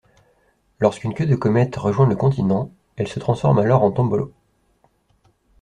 Lorsqu'une queue de comète rejoint le continent, elle se transforme alors en tombolo;